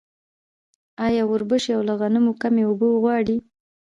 آیا وربشې له غنمو کمې اوبه غواړي؟